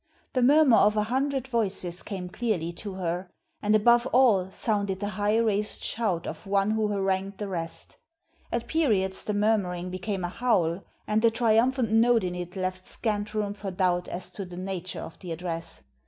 The murmur of a hundred voices came clearly to her, and above all sounded the high raised shout of one who harangued the rest. At periods the murmuring became a howl, and the triumphant note in it left scant room for doubt as to the nature of the address.